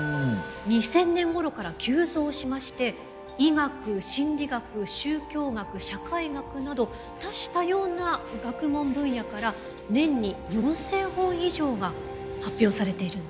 ２０００年ごろから急増しまして医学心理学宗教学社会学など多種多様な学問分野から年に４，０００本以上が発表されているんです。